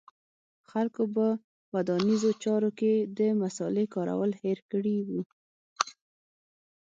خلکو په ودانیزو چارو کې د مصالې کارول هېر کړي و